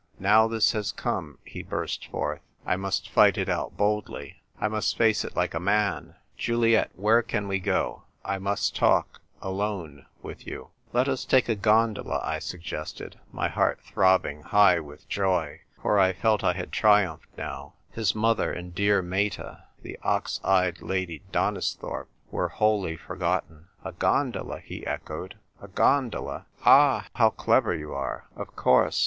"Now this has come," he burst forth, "I must fight it out boldly. I must face it like a man. Juliet, where can we go? I must talk — alone — with you." 208 THE TYPK WRITER GIRL. " Let US take a gondola," I suggested, my heart throbbing high with joy ; for I felt I had triumphed now ; his mother, and dear Meta, and ox eyed Lady Donisthorpe were wholly forgotten. "A gondola!" he echoed. "A gondola! Ah, how clever you are ! Of course!